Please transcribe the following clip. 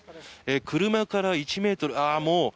車から１ｍ。